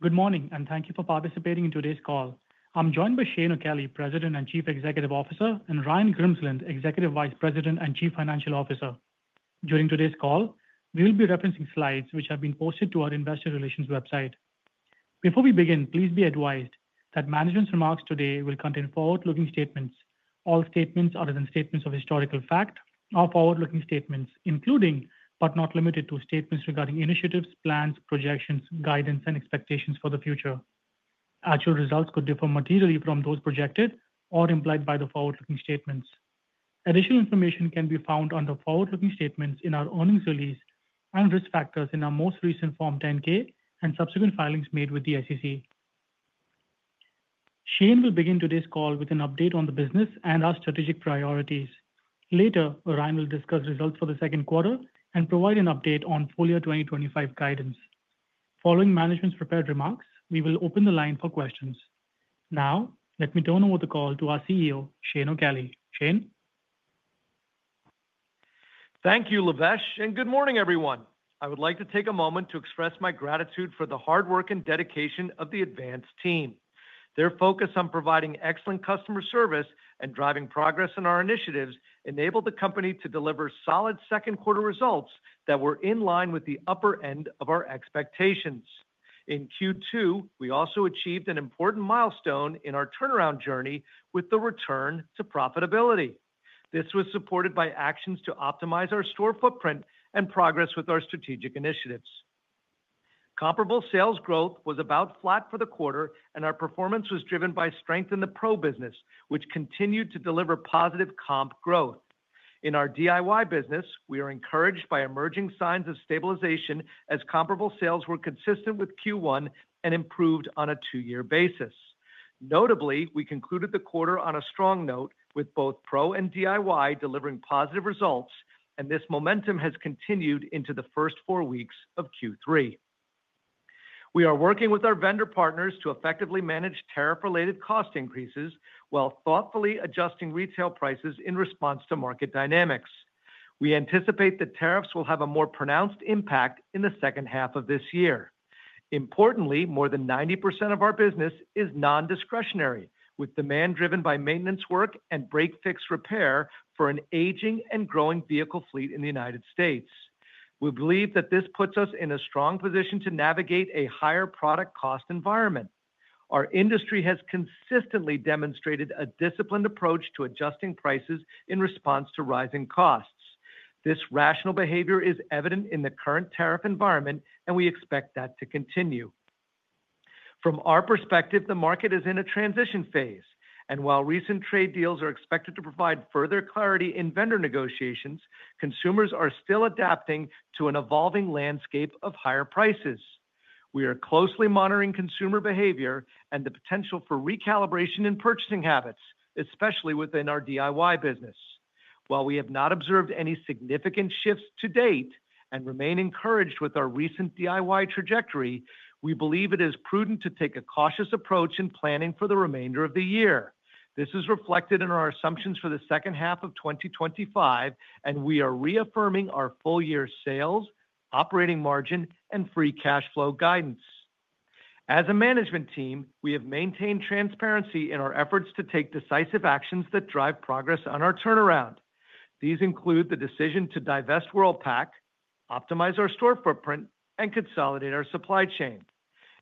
Good morning and thank you for participating in today's call. I'm joined by Shane O'Kelly, President and Chief Executive Officer, and Ryan Grimsland, Executive Vice President and Chief Financial Officer. During today's call, we will be referencing slides which have been posted to our Investor Relations website. Before we begin, please be advised that management's remarks today will contain forward-looking statements. All statements other than statements of historical fact are forward-looking statements, including but not limited to statements regarding initiatives, plans, projections, guidance, and expectations for the future. Actual results could differ materially from those projected or implied by the forward-looking statements. Additional information can be found under forward-looking statements in our earnings release and risk factors in our most recent Form 10-K and subsequent filings made with the SEC. Shane will begin today's call with an update on the business and our strategic priorities. Later, Ryan will discuss results for the second quarter and provide an update on full year 2025 guidance. Following management's prepared remarks, we will open the line for questions. Now, let me turn over the call to our CEO, Shane O'Kelly. Shane? Thank you, Lavesh, and good morning, everyone. I would like to take a moment to express my gratitude for the hard work and dedication of the Advance team. Their focus on providing excellent customer service and driving progress in our initiatives enabled the company to deliver solid second-quarter results that were in line with the upper end of our expectations. In Q2, we also achieved an important milestone in our turnaround journey with the return to profitability. This was supported by actions to optimize our store footprint and progress with our strategic initiatives. Comparable sales growth was about flat for the quarter, and our performance was driven by strength in the pro business, which continued to deliver positive comp growth. In our DIY business, we are encouraged by emerging signs of stabilization as comparable sales were consistent with Q1 and improved on a two-year basis. Notably, we concluded the quarter on a strong note, with both pro and DIY delivering positive results, and this momentum has continued into the first four weeks of Q3. We are working with our vendor partners to effectively manage tariff-related cost increases while thoughtfully adjusting retail prices in response to market dynamics. We anticipate that tariffs will have a more pronounced impact in the second half of this year. Importantly, more than 90% of our business is non-discretionary, with demand driven by maintenance work and break-fix repair for an aging and growing vehicle fleet in the United States. We believe that this puts us in a strong position to navigate a higher product cost environment. Our industry has consistently demonstrated a disciplined approach to adjusting prices in response to rising costs. This rational behavior is evident in the current tariff environment, and we expect that to continue. From our perspective, the market is in a transition phase, and while recent trade deals are expected to provide further clarity in vendor negotiations, consumers are still adapting to an evolving landscape of higher prices. We are closely monitoring consumer behavior and the potential for recalibration in purchasing habits, especially within our DIY business. While we have not observed any significant shifts to date and remain encouraged with our recent DIY trajectory, we believe it is prudent to take a cautious approach in planning for the remainder of the year. This is reflected in our assumptions for the second half of 2025, and we are reaffirming our full year sales, operating margin, and free cash flow guidance. As a management team, we have maintained transparency in our efforts to take decisive actions that drive progress on our turnaround. These include the decision to divest Worldpac, optimize our store footprint, and consolidate our supply chain.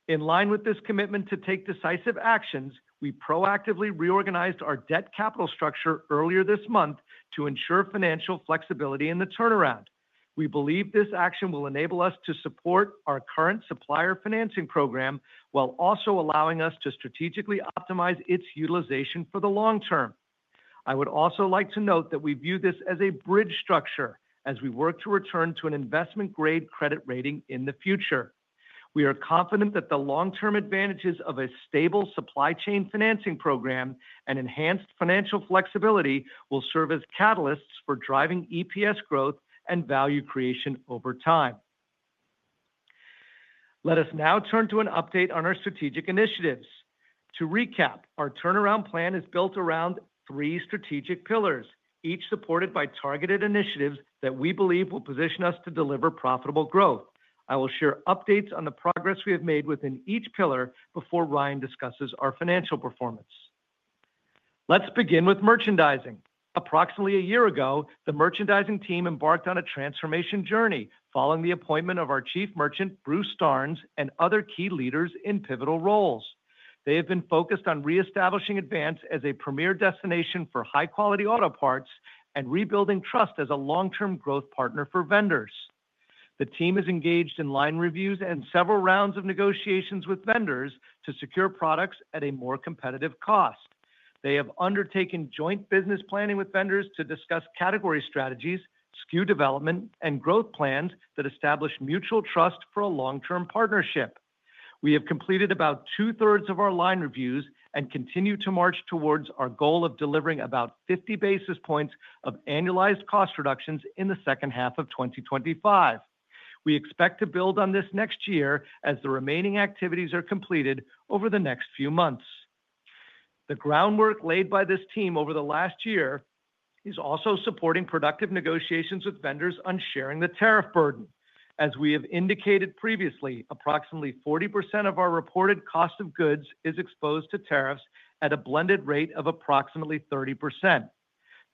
In line with this commitment to take decisive actions, we proactively reorganized our debt capital structure earlier this month to ensure financial flexibility in the turnaround. We believe this action will enable us to support our current supply chain financing program while also allowing us to strategically optimize its utilization for the long term. I would also like to note that we view this as a bridge structure as we work to return to an investment-grade credit rating in the future. We are confident that the long-term advantages of a stable supply chain financing program and enhanced financial flexibility will serve as catalysts for driving EPS growth and value creation over time. Let us now turn to an update on our strategic initiatives. To recap, our turnaround plan is built around three strategic pillars, each supported by targeted initiatives that we believe will position us to deliver profitable growth. I will share updates on the progress we have made within each pillar before Ryan discusses our financial performance. Let's begin with merchandising. Approximately a year ago, the merchandising team embarked on a transformation journey following the appointment of our Chief Merchant, Bruce Starnes, and other key leaders in pivotal roles. They have been focused on reestablishing Advance as a premier destination for high-quality auto parts and rebuilding trust as a long-term growth partner for vendors. The team is engaged in line reviews and several rounds of negotiations with vendors to secure products at a more competitive cost. They have undertaken joint business planning with vendors to discuss category strategies, SKU development, and growth plans that establish mutual trust for a long-term partnership. We have completed about two-thirds of our line reviews and continue to march towards our goal of delivering about 50 basis points of annualized cost reductions in the second half of 2025. We expect to build on this next year as the remaining activities are completed over the next few months. The groundwork laid by this team over the last year is also supporting productive negotiations with vendors on sharing the tariff burden. As we have indicated previously, approximately 40% of our reported cost of goods is exposed to tariffs at a blended rate of approximately 30%.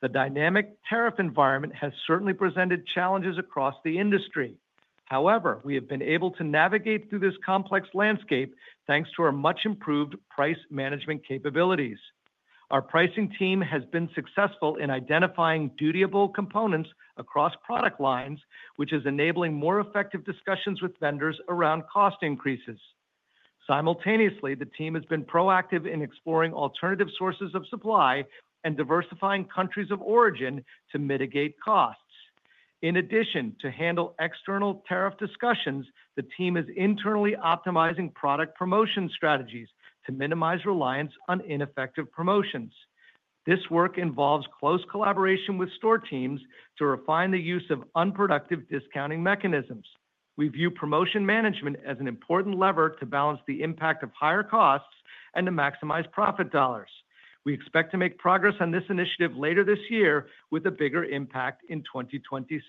The dynamic tariff environment has certainly presented challenges across the industry. However, we have been able to navigate through this complex landscape thanks to our much-improved price management capabilities. Our pricing team has been successful in identifying dutiable components across product lines, which is enabling more effective discussions with vendors around cost increases. Simultaneously, the team has been proactive in exploring alternative sources of supply and diversifying countries of origin to mitigate costs. In addition to handling external tariff discussions, the team is internally optimizing product promotion strategies to minimize reliance on ineffective promotions. This work involves close collaboration with store teams to refine the use of unproductive discounting mechanisms. We view promotion management as an important lever to balance the impact of higher costs and to maximize profit dollars. We expect to make progress on this initiative later this year with a bigger impact in 2026.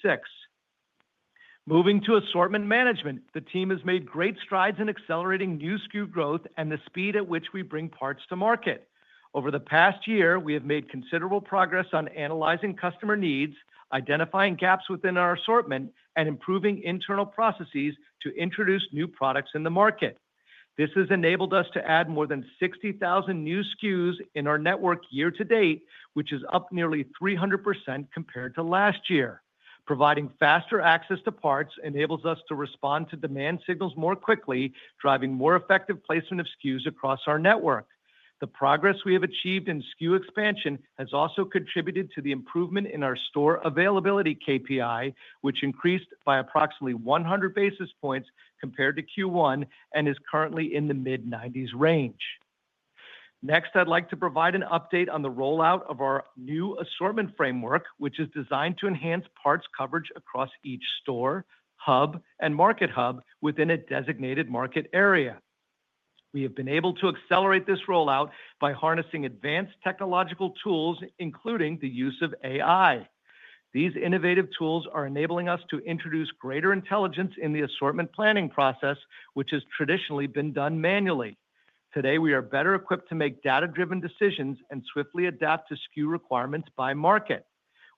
Moving to assortment management, the team has made great strides in accelerating new SKU growth and the speed at which we bring parts to market. Over the past year, we have made considerable progress on analyzing customer needs, identifying gaps within our assortment, and improving internal processes to introduce new products in the market. This has enabled us to add more than 60,000 new SKUs in our network year to date, which is up nearly 300% compared to last year. Providing faster access to parts enables us to respond to demand signals more quickly, driving more effective placement of SKUs across our network. The progress we have achieved in SKU expansion has also contributed to the improvement in our store availability KPI, which increased by approximately 100 basis points compared to Q1 and is currently in the mid-90% range. Next, I'd like to provide an update on the rollout of our new assortment framework, which is designed to enhance parts coverage across each store, hub, and market hub within a Designated Market Area. We have been able to accelerate this rollout by harnessing advanced technological tools, including the use of AI. These innovative tools are enabling us to introduce greater intelligence in the assortment planning process, which has traditionally been done manually. Today, we are better equipped to make data-driven decisions and swiftly adapt to SKU requirements by market.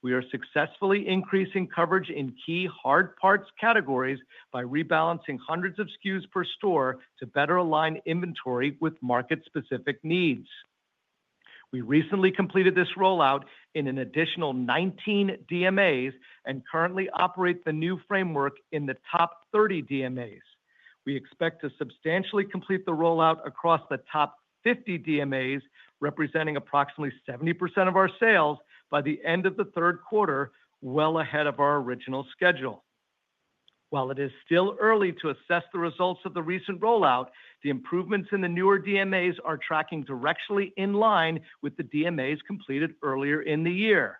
We are successfully increasing coverage in key hard parts categories by rebalancing hundreds of SKUs per store to better align inventory with market-specific needs. We recently completed this rollout in an additional 19 DMAs and currently operate the new framework in the top 30 DMAs. We expect to substantially complete the rollout across the top 50 DMAs, representing approximately 70% of our sales by the end of the third quarter, well ahead of our original schedule. While it is still early to assess the results of the recent rollout, the improvements in the newer DMAs are tracking directionally in line with the DMAs completed earlier in the year.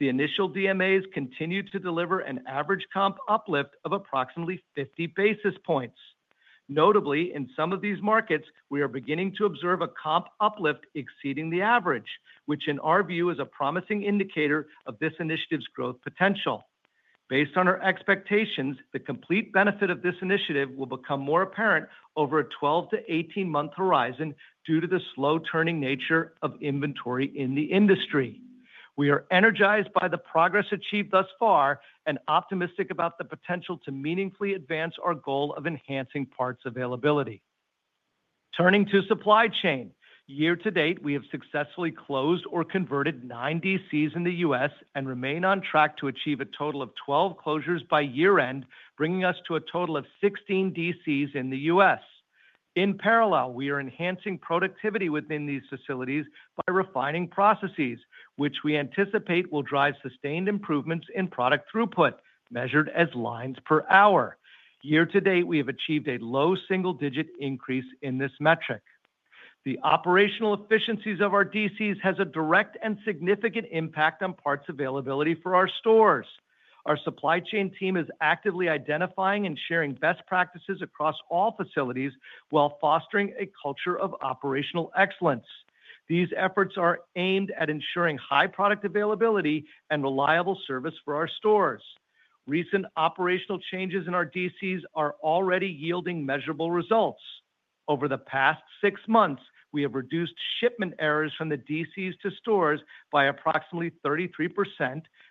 The initial DMAs continue to deliver an average comp uplift of approximately 50 basis points. Notably, in some of these markets, we are beginning to observe a comp uplift exceeding the average, which in our view is a promising indicator of this initiative's growth potential. Based on our expectations, the complete benefit of this initiative will become more apparent over a 12 months-18-month horizon due to the slow turning nature of inventory in the industry. We are energized by the progress achieved thus far and optimistic about the potential to meaningfully advance our goal of enhancing parts availability. Turning to supply chain, year to date, we have successfully closed or converted nine DCs in the U.S. and remain on track to achieve a total of 12 closures by year end, bringing us to a total of 16 DCs in the U.S. In parallel, we are enhancing productivity within these facilities by refining processes, which we anticipate will drive sustained improvements in product throughput, measured as lines per hour. Year to date, we have achieved a low single-digit increase in this metric. The operational efficiencies of our DCs have a direct and significant impact on parts availability for our stores. Our supply chain team is actively identifying and sharing best practices across all facilities while fostering a culture of operational excellence. These efforts are aimed at ensuring high product availability and reliable service for our stores. Recent operational changes in our DCs are already yielding measurable results. Over the past six months, we have reduced shipment errors from the DCs to stores by approximately 33%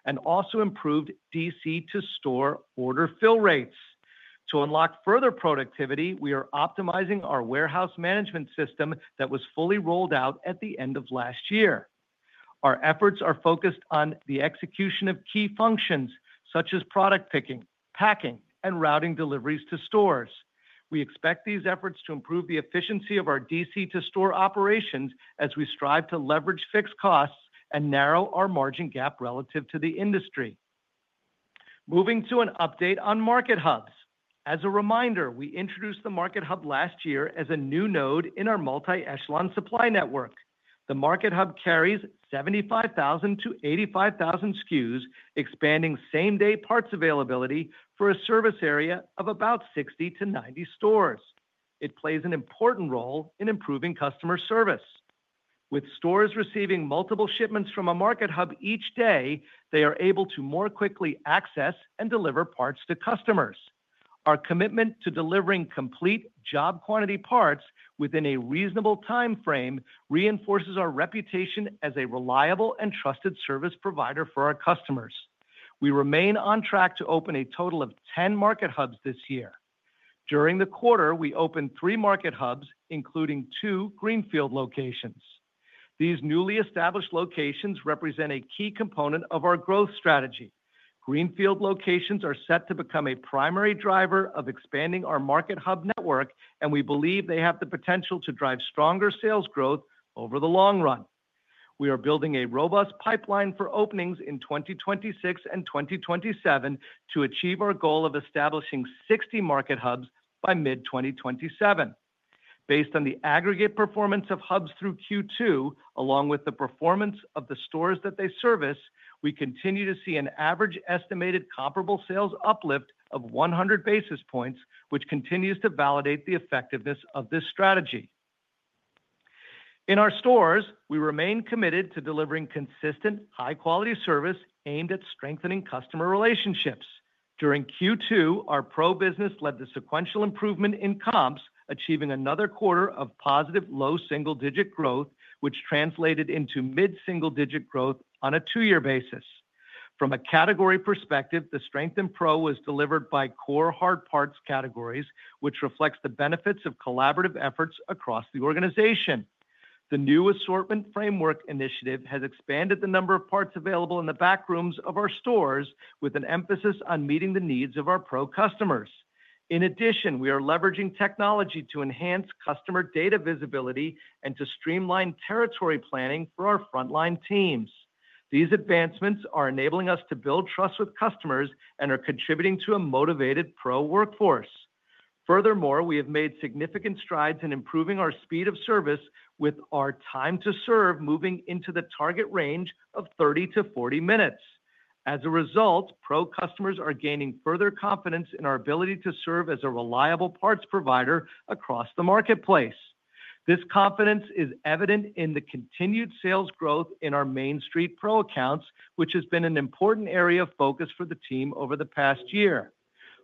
and also improved DC-to-store order fill rates. To unlock further productivity, we are optimizing our warehouse management system that was fully rolled out at the end of last year. Our efforts are focused on the execution of key functions such as product picking, packing, and routing deliveries to stores. We expect these efforts to improve the efficiency of our DC-to-store operations as we strive to leverage fixed costs and narrow our margin gap relative to the industry. Moving to an update on market hubs. As a reminder, we introduced the market hub last year as a new node in our multi-echelon supply network. The market hub carries 75,000 SKUs-85,000 SKUs, expanding same-day parts availability for a service area of about 60 stores-90 stores. It plays an important role in improving customer service. With stores receiving multiple shipments from a market hub each day, they are able to more quickly access and deliver parts to customers. Our commitment to delivering complete job quantity parts within a reasonable timeframe reinforces our reputation as a reliable and trusted service provider for our customers. We remain on track to open a total of 10 market hubs this year. During the quarter, we opened three market hubs, including two Greenfield locations. These newly established locations represent a key component of our growth strategy. Greenfield locations are set to become a primary driver of expanding our market hub network, and we believe they have the potential to drive stronger sales growth over the long run. We are building a robust pipeline for openings in 2026 and 2027 to achieve our goal of establishing 60 market hubs by mid-2027. Based on the aggregate performance of hubs through Q2, along with the performance of the stores that they service, we continue to see an average estimated comparable sales uplift of 100 basis points, which continues to validate the effectiveness of this strategy. In our stores, we remain committed to delivering consistent, high-quality service aimed at strengthening customer relationships. During Q2, our pro business led the sequential improvement in comps, achieving another quarter of positive low single-digit growth, which translated into mid-single-digit growth on a two-year basis. From a category perspective, the strength in pro was delivered by core hard parts categories, which reflects the benefits of collaborative efforts across the organization. The new assortment framework initiative has expanded the number of parts available in the backrooms of our stores, with an emphasis on meeting the needs of our pro customers. In addition, we are leveraging technology to enhance customer data visibility and to streamline territory planning for our frontline teams. These advancements are enabling us to build trust with customers and are contributing to a motivated pro workforce. Furthermore, we have made significant strides in improving our speed of service, with our time to serve moving into the target range of 30 minutes-40 minutes. As a result, pro customers are gaining further confidence in our ability to serve as a reliable parts provider across the marketplace. This confidence is evident in the continued sales growth in our Main Street pro accounts, which has been an important area of focus for the team over the past year.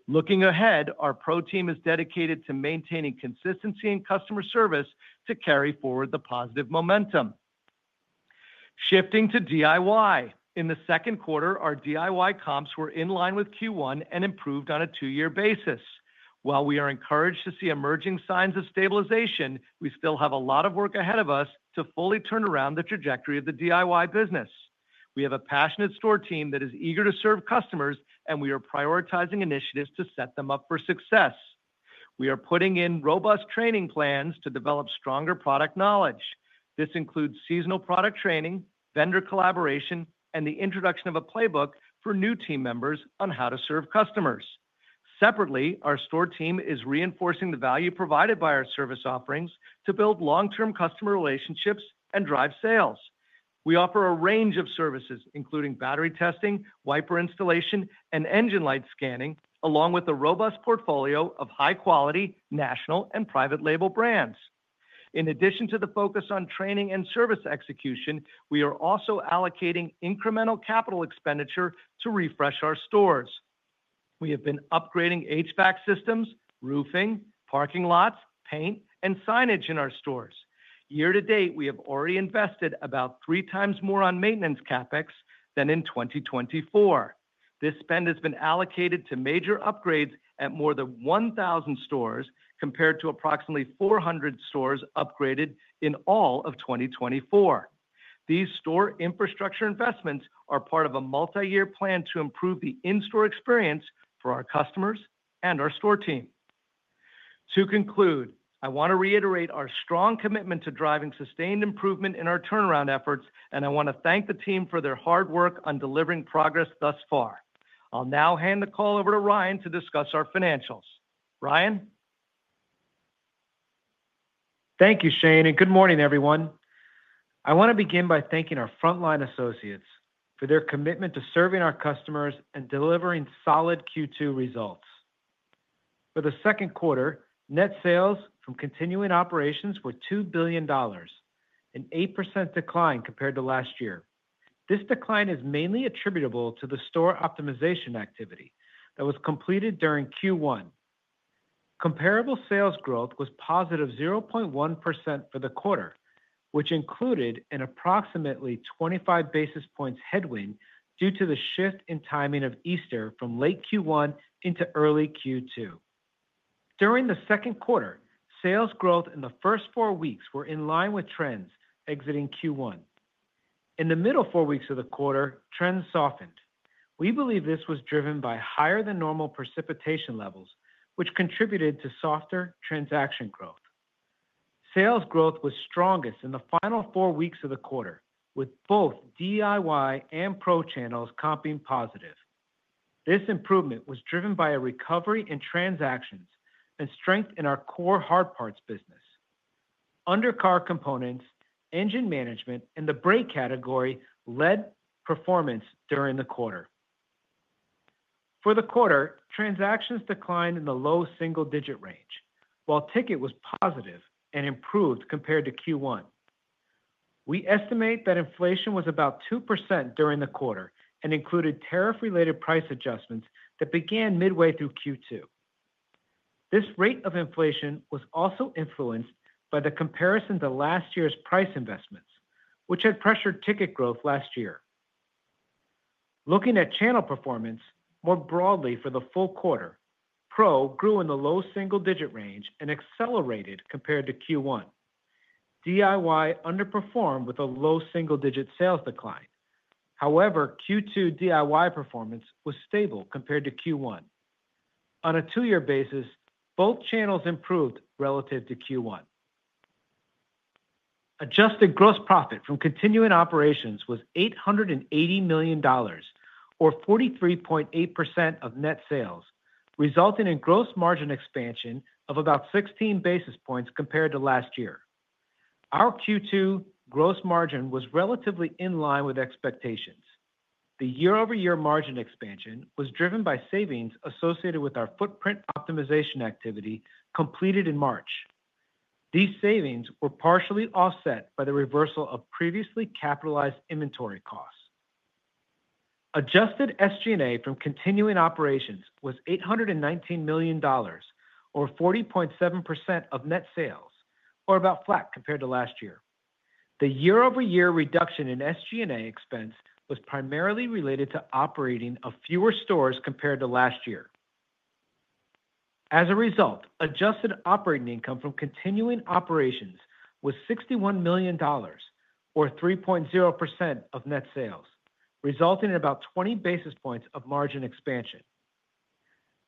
Looking ahead, our pro team is dedicated to maintaining consistency in customer service to carry forward the positive momentum. Shifting to DIY. In the second quarter, our DIY comps were in line with Q1 and improved on a two-year basis. While we are encouraged to see emerging signs of stabilization, we still have a lot of work ahead of us to fully turn around the trajectory of the DIY business. We have a passionate store team that is eager to serve customers, and we are prioritizing initiatives to set them up for success. We are putting in robust training plans to develop stronger product knowledge. This includes seasonal product training, vendor collaboration, and the introduction of a playbook for new team members on how to serve customers. Separately, our store team is reinforcing the value provided by our service offerings to build long-term customer relationships and drive sales. We offer a range of services, including battery testing, wiper installation, and engine light scanning, along with a robust portfolio of high-quality national and private label brands. In addition to the focus on training and service execution, we are also allocating incremental capital expenditure to refresh our stores. We have been upgrading HVAC systems, roofing, parking lots, paint, and signage in our stores. Year to date, we have already invested about 3x more on maintenance CapEx than in 2024. This spend has been allocated to major upgrades at more than 1,000 stores, compared to approximately 400 stores upgraded in all of 2024. These store infrastructure investments are part of a multi-year plan to improve the in-store experience for our customers and our store team. To conclude, I want to reiterate our strong commitment to driving sustained improvement in our turnaround efforts, and I want to thank the team for their hard work on delivering progress thus far. I'll now hand the call over to Ryan to discuss our financials. Ryan. Thank you, Shane, and good morning, everyone. I want to begin by thanking our frontline associates for their commitment to serving our customers and delivering solid Q2 results. For the second quarter, net sales from continuing operations were $2 billion, an 8% decline compared to last year. This decline is mainly attributable to the store optimization activity that was completed during Q1. Comparable sales growth was positive 0.1% for the quarter, which included an approximately 25 basis points headwind due to the shift in timing of Easter from late Q1 into early Q2. During the second quarter, sales growth in the first four weeks was in line with trends exiting Q1. In the middle four weeks of the quarter, trends softened. We believe this was driven by higher-than-normal precipitation levels, which contributed to softer transaction growth. Sales growth was strongest in the final four weeks of the quarter, with both DIY and pro channels comping positive. This improvement was driven by a recovery in transactions and strength in our core hard parts business. Undercar components, engine management, and the brake category led performance during the quarter. For the quarter, transactions declined in the low single-digit range, while ticket was positive and improved compared to Q1. We estimate that inflation was about 2% during the quarter and included tariff-related price adjustments that began midway through Q2. This rate of inflation was also influenced by the comparison to last year's price investments, which had pressured ticket growth last year. Looking at channel performance more broadly for the full quarter, pro grew in the low single-digit range and accelerated compared to Q1. DIY underperformed with a low single-digit sales decline. However, Q2 DIY performance was stable compared to Q1. On a two-year basis, both channels improved relative to Q1. Adjusted gross profit from continuing operations was $880 million, or 43.8% of net sales, resulting in gross margin expansion of about 16 basis points compared to last year. Our Q2 gross margin was relatively in line with expectations. The year-over-year margin expansion was driven by savings associated with our footprint optimization activity completed in March. These savings were partially offset by the reversal of previously capitalized inventory costs. Adjusted SG&A from continuing operations was $819 million, or 40.7% of net sales, or about flat compared to last year. The year-over-year reduction in SG&A expense was primarily related to operating of fewer stores compared to last year. As a result, adjusted operating income from continuing operations was $61 million, or 3.0% of net sales, resulting in about 20 basis points of margin expansion.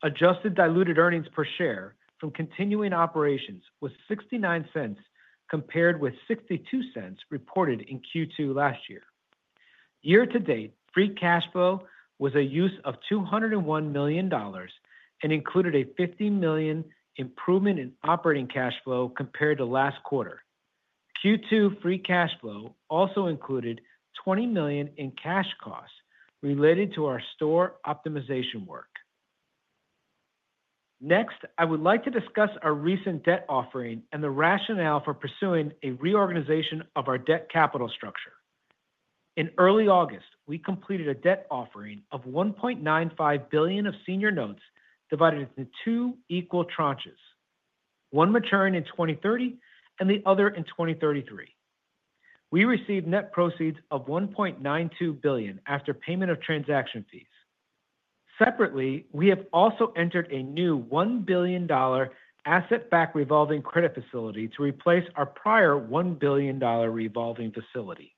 Adjusted diluted earnings per share from continuing operations was $0.69 compared with $0.62 reported in Q2 last year. Year to date, free cash flow was a use of $201 million and included a $15 million improvement in operating cash flow compared to last quarter. Q2 free cash flow also included $20 million in cash costs related to our store optimization work. Next, I would like to discuss our recent debt offering and the rationale for pursuing a reorganization of our debt capital structure. In early August, we completed a debt offering of $1.95 billion of senior notes divided into two equal tranches, one maturing in 2030 and the other in 2033. We received net proceeds of $1.92 billion after payment of transaction fees. Separately, we have also entered a new $1 billion asset-backed revolving credit facility to replace our prior $1 billion revolving facility.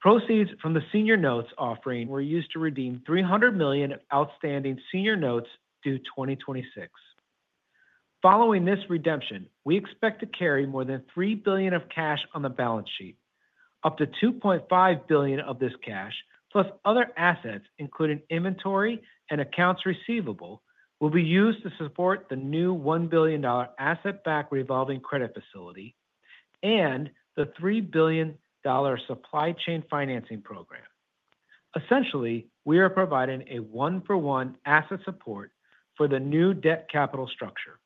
Proceeds from the senior notes offering were used to redeem $300 million of outstanding senior notes due 2026. Following this redemption, we expect to carry more than $3 billion of cash on the balance sheet. Up to $2.5 billion of this cash, plus other assets, including inventory and accounts receivable, will be used to support the new $1 billion asset-backed revolving credit facility and the $3 billion supply chain financing program. Essentially, we are providing a one-for-one asset support for the new debt capital structure.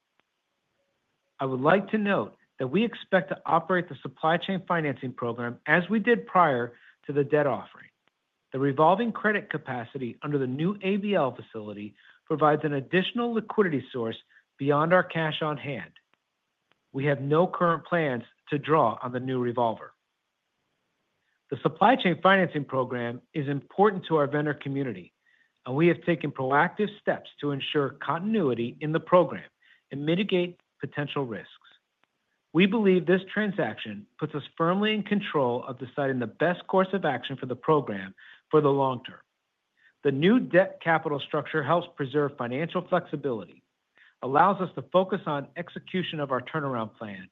I would like to note that we expect to operate the supply chain financing program as we did prior to the debt offering. The revolving credit capacity under the new AVL facility provides an additional liquidity source beyond our cash on hand. We have no current plans to draw on the new revolver. The supply chain financing program is important to our vendor community, and we have taken proactive steps to ensure continuity in the program and mitigate potential risks. We believe this transaction puts us firmly in control of deciding the best course of action for the program for the long term. The new debt capital structure helps preserve financial flexibility, allows us to focus on execution of our turnaround plan,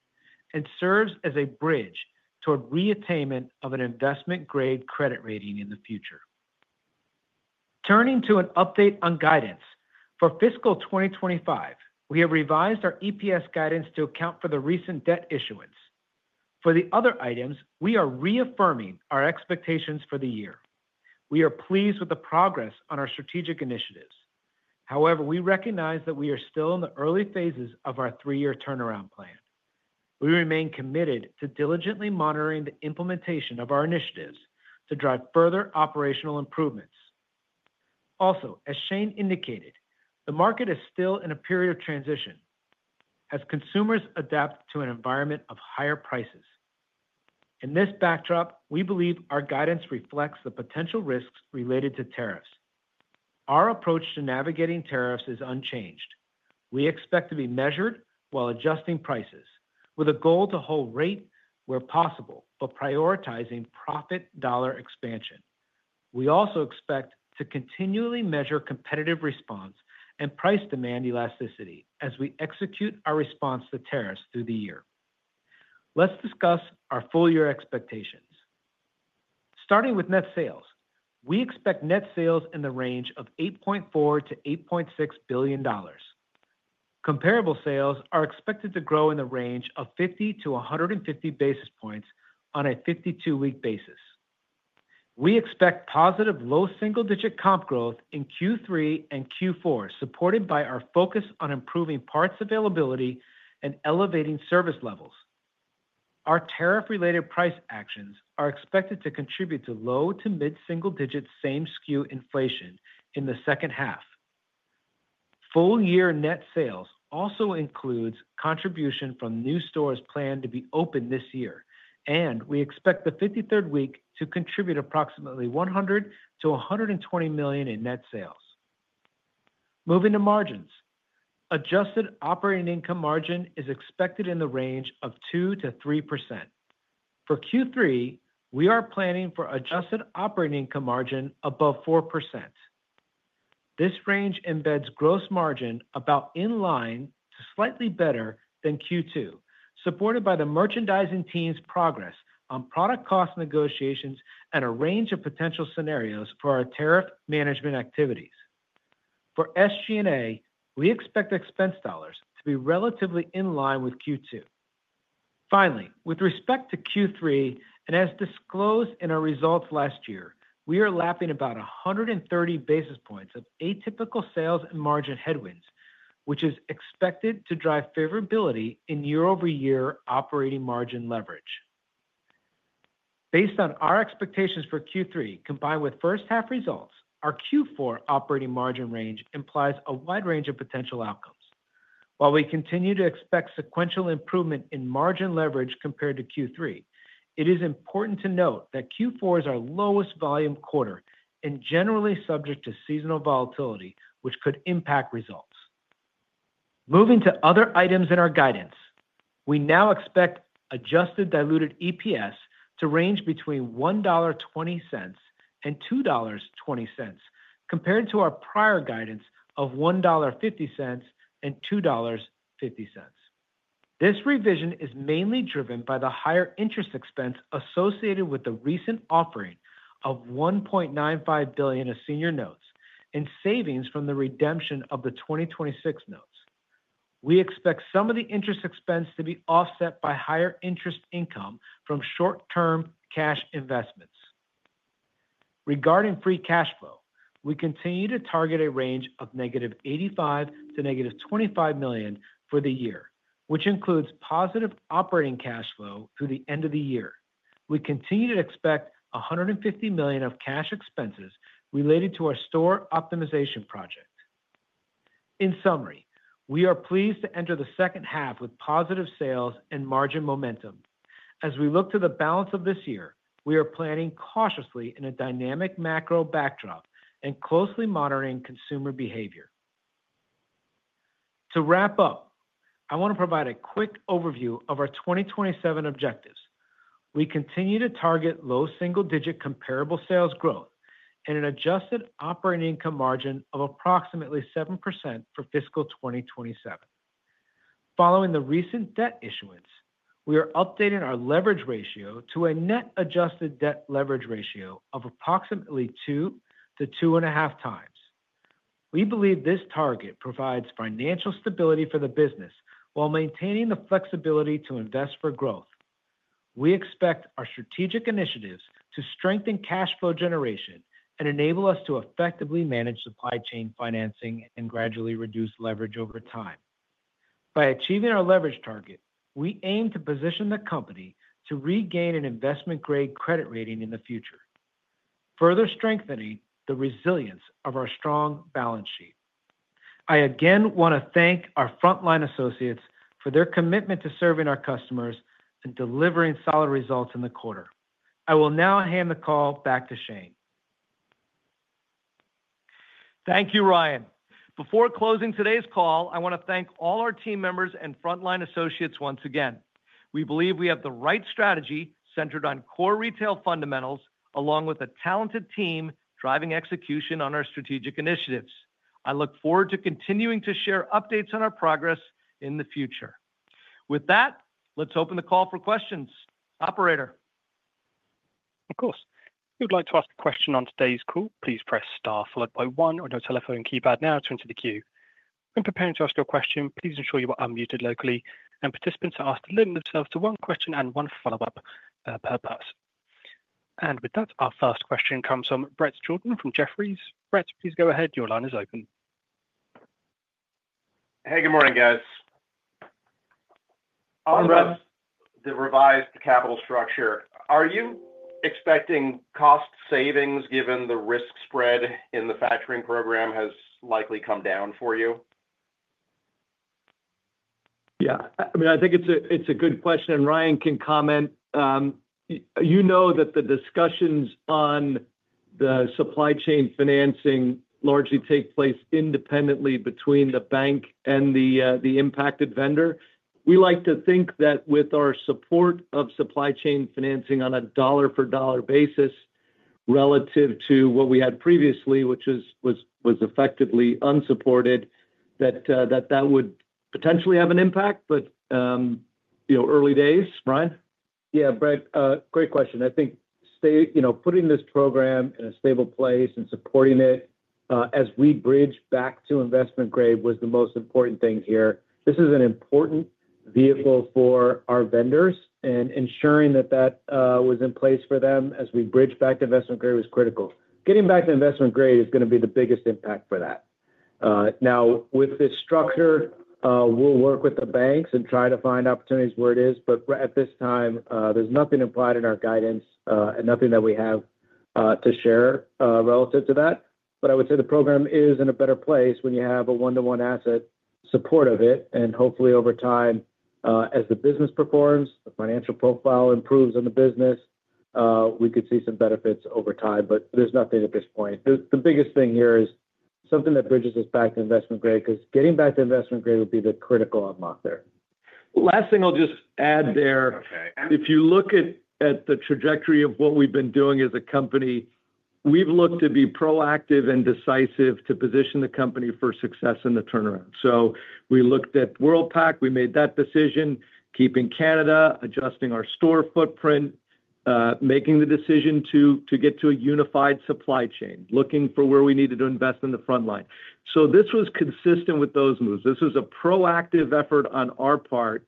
and serves as a bridge toward reattainment of an investment-grade credit rating in the future. Turning to an update on guidance. For fiscal 2025, we have revised our EPS guidance to account for the recent debt issuance. For the other items, we are reaffirming our expectations for the year. We are pleased with the progress on our strategic initiatives. However, we recognize that we are still in the early phases of our three-year turnaround plan. We remain committed to diligently monitoring the implementation of our initiatives to drive further operational improvements. Also, as Shane indicated, the market is still in a period of transition as consumers adapt to an environment of higher prices. In this backdrop, we believe our guidance reflects the potential risks related to tariffs. Our approach to navigating tariffs is unchanged. We expect to be measured while adjusting prices, with a goal to hold rate where possible, but prioritizing profit dollar expansion. We also expect to continually measure competitive response and price demand elasticity as we execute our response to tariffs through the year. Let's discuss our full-year expectations. Starting with net sales, we expect net sales in the range of $8.4 to $8.6 billion. Comparable sales are expected to grow in the range of 50 to 150 basis points on a 52-week basis. We expect positive low single-digit comp growth in Q3 and Q4, supported by our focus on improving parts availability and elevating service levels. Our tariff-related price actions are expected to contribute to low to mid-single-digit same SKU inflation in the second half. Full-year net sales also include contributions from new stores planned to be open this year, and we expect the 53rd week to contribute approximately $100 million-$120 million in net sales. Moving to margins, adjusted operating income margin is expected in the range of 2%-3%. For Q3, we are planning for adjusted operating income margin above 4%. This range embeds gross margin about in line to slightly better than Q2, supported by the merchandising team's progress on product cost negotiations and a range of potential scenarios for our tariff management activities. For SG&A, we expect expense dollars to be relatively in line with Q2. Finally, with respect to Q3, and as disclosed in our results last year, we are lapping about 130 basis points of atypical sales and margin headwinds, which is expected to drive favorability in year-over-year operating margin leverage. Based on our expectations for Q3, combined with first-half results, our Q4 operating margin range implies a wide range of potential outcomes. While we continue to expect sequential improvement in margin leverage compared to Q3, it is important to note that Q4 is our lowest volume quarter and generally subject to seasonal volatility, which could impact results. Moving to other items in our guidance, we now expect adjusted diluted EPS to range between $1.20 and $2.20 compared to our prior guidance of $1.50 and $2.50. This revision is mainly driven by the higher interest expense associated with the recent offering of $1.95 billion of senior notes and savings from the redemption of the 2026 notes. We expect some of the interest expense to be offset by higher interest income from short-term cash investments. Regarding free cash flow, we continue to target a range of -$85 million to -$25 million for the year, which includes positive operating cash flow through the end of the year. We continue to expect $150 million of cash expenses related to our store optimization project. In summary, we are pleased to enter the second half with positive sales and margin momentum. As we look to the balance of this year, we are planning cautiously in a dynamic macro backdrop and closely monitoring consumer behavior. To wrap up, I want to provide a quick overview of our 2027 objectives. We continue to target low single-digit comparable sales growth and an adjusted operating income margin of approximately 7% for fiscal 2027. Following the recent debt issuance, we are updating our leverage ratio to a net adjusted debt leverage ratio of approximately 2x-2.5x. We believe this target provides financial stability for the business while maintaining the flexibility to invest for growth. We expect our strategic initiatives to strengthen cash flow generation and enable us to effectively manage supply chain financing and gradually reduce leverage over time. By achieving our leverage target, we aim to position the company to regain an investment-grade credit rating in the future, further strengthening the resilience of our strong balance sheet. I again want to thank our frontline associates for their commitment to serving our customers and delivering solid results in the quarter. I will now hand the call back to Shane. Thank you, Ryan. Before closing today's call, I want to thank all our team members and frontline associates once again. We believe we have the right strategy centered on core retail fundamentals, along with a talented team driving execution on our strategic initiatives. I look forward to continuing to share updates on our progress in the future. With that, let's open the call for questions. Operator. Of course. If you'd like to ask a question on today's call, please press star followed by one on your telephone keypad now to enter the queue. When preparing to ask your question, please ensure you are unmuted locally, and participants are asked to limit themselves to one question and one follow-up per person. With that, our first question comes from Bret Jordan from Jefferies. Bret, please go ahead. Your line is open. Hey, good morning, guys. On the revised capital structure, are you expecting cost savings given the risk spread in the factoring program has likely come down for you? Yeah. I mean, I think it's a good question, and Ryan can comment. You know that the discussions on the supply chain financing largely take place independently between the bank and the impacted vendor. We like to think that with our support of supply chain financing on a dollar-for-dollar basis relative to what we had previously, which was effectively unsupported, that that would potentially have an impact, but you know, early days. Ryan? Yeah, Bret, great question. I think stay, you know, putting this program in a stable place and supporting it as we bridge back to investment grade was the most important thing here. This is an important vehicle for our vendors, and ensuring that that was in place for them as we bridge back to investment grade was critical. Getting back to investment grade is going to be the biggest impact for that. Now, with this structure, we'll work with the banks and try to find opportunities where it is, but at this time, there's nothing implied in our guidance and nothing that we have to share relative to that. I would say the program is in a better place when you have a one-to-one asset support of it, and hopefully over time, as the business performs, the financial profile improves in the business, we could see some benefits over time, but there's nothing at this point. The biggest thing here is something that bridges us back to investment grade, because getting back to investment grade would be the critical unlock there. Last thing I'll just add there, if you look at the trajectory of what we've been doing as a company, we've looked to be proactive and decisive to position the company for success in the turnaround. We looked at Worldpac. We made that decision, keeping Canada, adjusting our store footprint, making the decision to get to a unified supply chain, looking for where we needed to invest in the frontline. This was consistent with those moves. This was a proactive effort on our part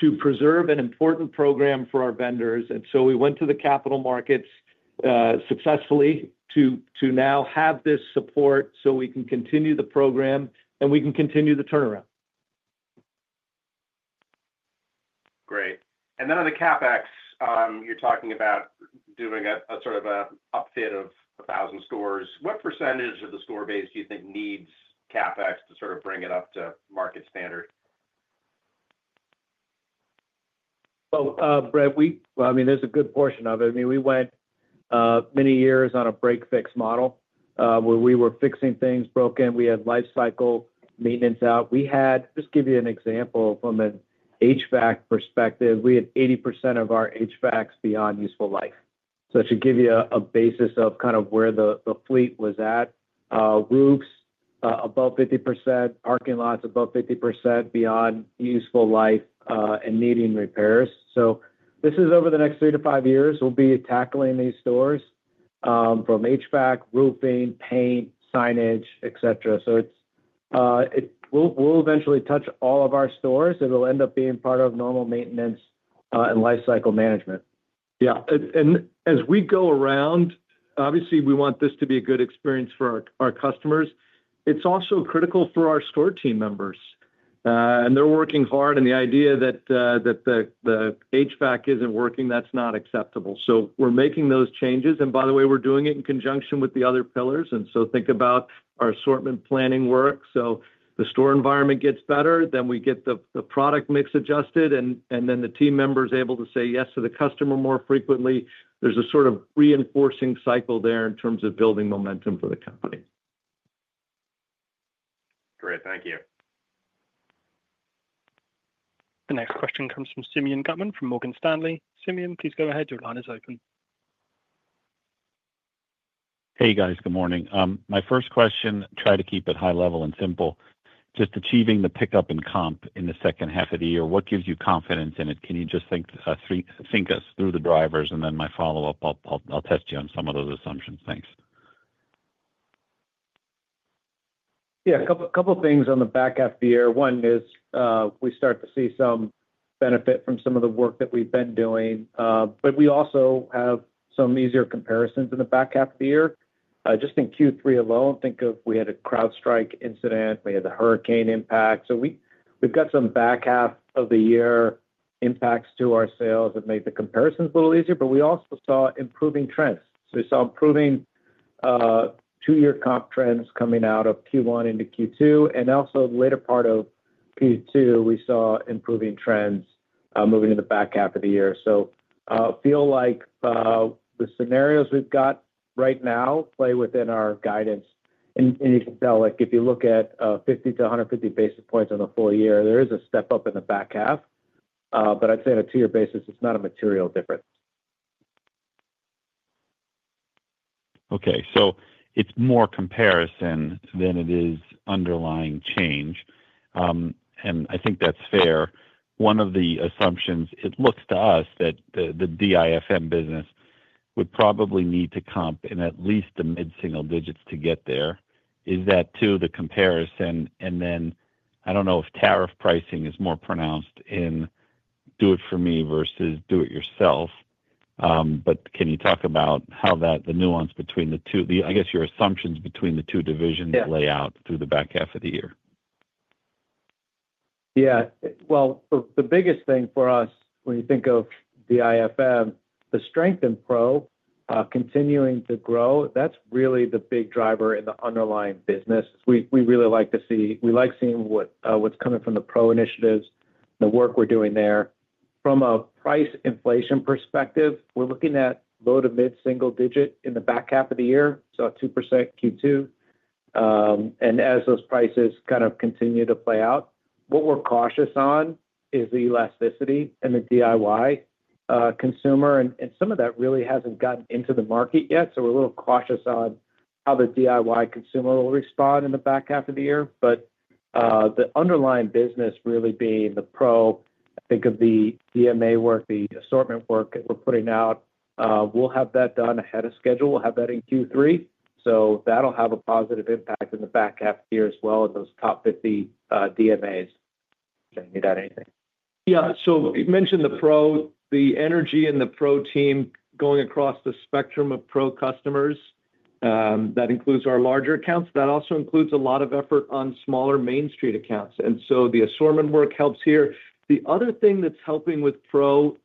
to preserve an important program for our vendors. We went to the capital markets successfully to now have this support so we can continue the program and we can continue the turnaround. Great. And then on the CapEx, you're talking about doing a sort of an upfit of 1,000 stores. What percentage of the store base do you think needs CapEx to sort of bring it up to market standard? Bret, there's a good portion of it. We went many years on a break-fix model where we were fixing things broken. We had life cycle maintenance out. Just to give you an example from an HVAC perspective, we had 80% of our HVACs beyond useful life. It should give you a basis of kind of where the fleet was at. Roofs above 50%, parking lots above 50% beyond useful life and needing repairs. Over the next three to five years, we'll be tackling these stores from HVAC, roofing, paint, signage, et cetera. We'll eventually touch all of our stores. It'll end up being part of normal maintenance and life cycle management. As we go around, obviously we want this to be a good experience for our customers. It's also critical for our store team members, and they're working hard, and the idea that the HVAC isn't working, that's not acceptable. We're making those changes, and by the way, we're doing it in conjunction with the other pillars. Think about our assortment planning work. The store environment gets better, then we get the product mix adjusted, and then the team members are able to say yes to the customer more frequently. There's a sort of reinforcing cycle there in terms of building momentum for the company. Great. Thank you. The next question comes from Simeon Gutman from Morgan Stanley. Simeon, please go ahead. Your line is open. Hey guys, good morning. My first question, try to keep it high level and simple, just achieving the pickup in comp in the second half of the year, what gives you confidence in it? Can you just think us through the drivers? My follow-up, I'll test you on some of those assumptions. Thanks. Yeah, a couple of things on the back half of the year. One is we start to see some benefit from some of the work that we've been doing, but we also have some easier comparisons in the back half of the year. Just in Q3 alone, think of we had a CrowdStrike incident, we had the hurricane impact. We've got some back half of the year impacts to our sales that made the comparisons a little easier, but we also saw improving trends. We saw improving two-year comp trends coming out of Q1 into Q2, and also the later part of Q2, we saw improving trends moving in the back half of the year. I feel like the scenarios we've got right now play within our guidance. You can tell, like if you look at 50-150 basis points on the full year, there is a step up in the back half, but I'd say on a two-year basis, it's not a material difference. Okay, so it's more comparison than it is underlying change, and I think that's fair. One of the assumptions, it looks to us that the DIFM business would probably need to comp in at least the mid-single digits to get there. Is that to the comparison? I don't know if tariff pricing is more pronounced in do it for me versus do it yourself, but can you talk about how that, the nuance between the two, I guess your assumptions between the two divisions lay out through the back half of the year? Yeah, the biggest thing for us when you think of DIFM, the strength in pro continuing to grow, that's really the big driver in the underlying business. We really like seeing what's coming from the pro initiatives, the work we're doing there. From a price inflation perspective, we're looking at low to mid-single digit in the back half of the year, so a 2% Q2. As those prices continue to play out, what we're cautious on is the elasticity and the DIY consumer, and some of that really hasn't gotten into the market yet. We're a little cautious on how the DIY consumer will respond in the back half of the year, but the underlying business really being the pro, think of the DMA work, the assortment work that we're putting out. We'll have that done ahead of schedule. We'll have that in Q3. That'll have a positive impact in the back half of the year as well in those top 50 DMAs. Did I need to add anything? You mentioned the pro, the energy in the pro team going across the spectrum of pro customers. That includes our larger accounts. That also includes a lot of effort on smaller Main Street accounts. The assortment work helps here. The other thing that's helping with pro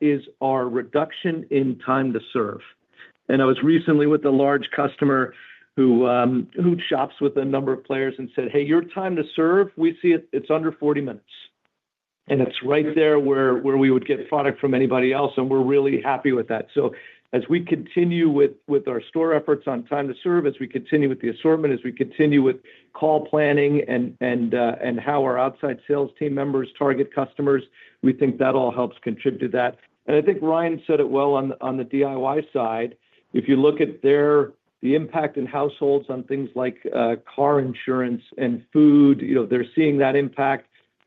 is our reduction in time to serve. I was recently with a large customer who shops with a number of players and said, "Hey, your time to serve, we see it's under 40 minutes." It's right there where we would get product from anybody else, and we're really happy with that. As we continue with our store efforts on time to serve, as we continue with the assortment, as we continue with call planning and how our outside sales team members target customers, we think that all helps contribute to that. I think Ryan said it well on the DIY side. If you look at the impact in households on things like car insurance and food, they're seeing that impact.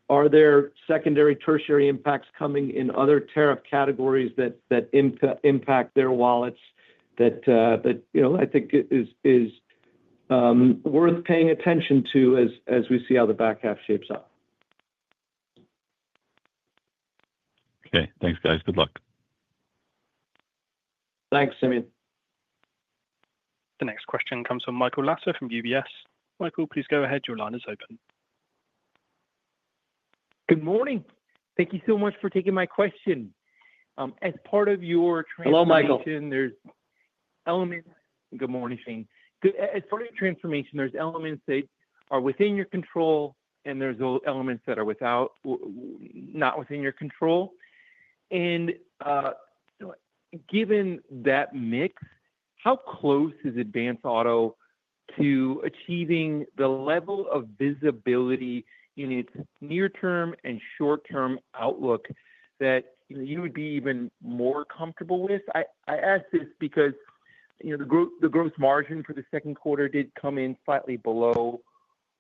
Are there secondary, tertiary impacts coming in other tariff categories that impact their wallets that I think is worth paying attention to as we see how the back half shapes up? Okay, thanks guys. Good luck. Thanks, Simeon. The next question comes from Michael Lasser from UBS. Michael, please go ahead. Your line is open. Good morning. Thank you so much for taking my question. As part of your transformation, there are elements that are within your control, and there are elements that are not within your control. Given that mix, how close is Advance Auto Parts to achieving the level of visibility in its near-term and short-term outlook that you would be even more comfortable with? I ask this because the gross margin for the second quarter did come in slightly below